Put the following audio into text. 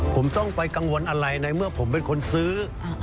ผมต้องไปกังวลอะไรในเมื่อผมเป็นคนซื้อ